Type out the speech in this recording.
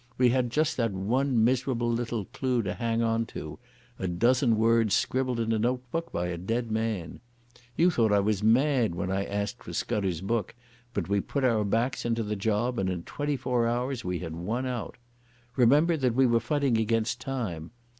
We had just that one miserable little clue to hang on to—a dozen words scribbled in a notebook by a dead man. You thought I was mad when I asked for Scudder's book, but we put our backs into the job and in twenty four hours we had won out. Remember that then we were fighting against time.